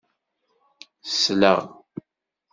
Sleɣ.